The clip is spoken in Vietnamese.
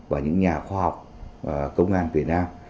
và những nhà khoa học công an việt nam